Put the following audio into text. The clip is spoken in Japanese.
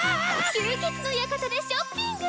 吸血の館でショッピング！